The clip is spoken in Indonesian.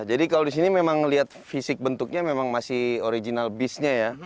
jadi kalau di sini memang lihat fisik bentuknya memang masih original bisnya ya